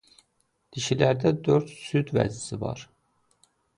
Dişilərdə dörd süd vəzisi var.